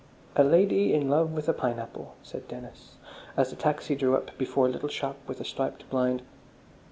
"A Lady in Love with a Pineapple," said Dennis, as the taxi drew up before a little shop with a striped blind.